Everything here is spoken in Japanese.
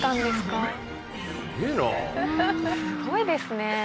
すごいですね。